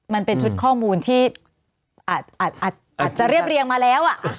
มันเป็นชุดข้อมูลที่อาจจะเรียบเรียงมาแล้ว